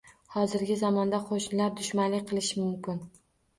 Hozirgi zamonda qo`shnilar dushmanlik qilishi mumkin